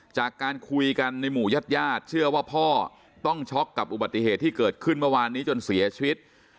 จากการคุยกันในหมู่ญาติญาติเชื่อว่าพ่อต้องช็อกกับอุบัติเหตุที่เกิดขึ้นเมื่อวานนี้จนเสียชีวิต